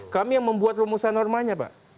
kami yang membuat rumusan normanya pak